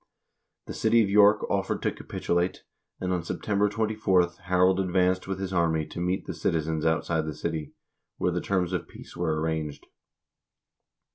The city of York offered to capitulate, and on September 24 Harald advanced with his army to meet the citi zens outside the city, where the terms of peace were arranged.